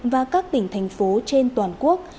và các tỉnh thành phố trên toàn quốc